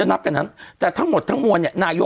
อันนั้นแหละ